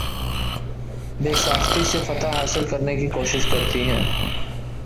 بے ساختگی سے فتح حاصل کرنے کی کوشش کرتی ہیں